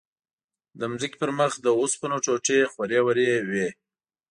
د ځمکې پر مخ د اوسپنو ټوټې خورې ورې وې.